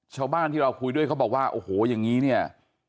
ชาวบ้านที่เราคุยด้วยเขาบอกว่าโอ้โหอย่างนี้เนี่ย